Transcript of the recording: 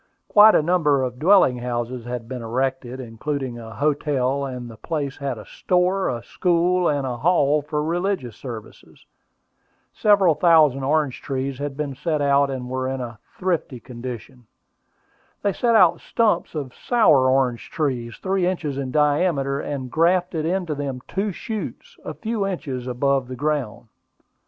Quite a number of dwelling houses had been erected, including a hotel, and the place had a store, a school, and a hall for religious services. Several thousand orange trees had been set out, and were in a thrifty condition. They set out stumps of sour orange trees, three inches in diameter, and graft into them two shoots, a few inches above the ground.